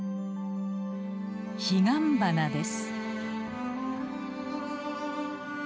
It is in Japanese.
ヒガンバナです。